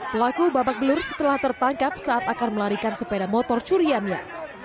pelaku babak belur setelah tertangkap saat akan melarikan sepeda motor curiannya